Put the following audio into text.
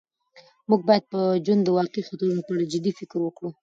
موږ باید د ژوند د واقعي خطرونو په اړه جدي فکر وکړو.